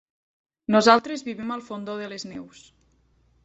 Nosaltres vivim al Fondó de les Neus.